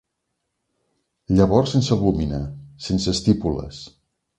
Llavors sense albúmina. Sense estípules.